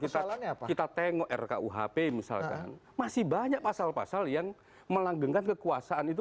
kita kita tengok rkuhp misalkan masih banyak pasal pasal yang melanggengkan kekuasaan itu